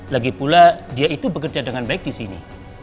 lagipula dia itu bekerja dengan baik disini